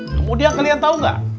kemudian kalian tau ga